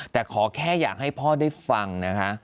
แต่ขอแค่อยากให้พ่อได้ฟังนะคะ